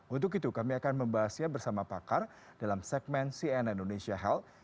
untuk itu kami akan membahasnya bersama pakar dalam segmen cnn indonesia health